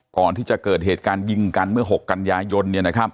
ก่อนที่จะเกิดเหตุการณ์ยิงกันเมื่อ๖กันยายน